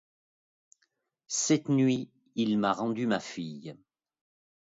Cette nuit, il m’a rendu ma fille.